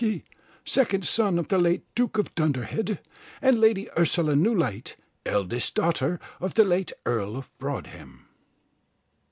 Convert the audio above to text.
P., second son of the late Duke of Dunderhead, and Lady Ursula Newlyte, eldest daughter of the late Earl of Broadhem."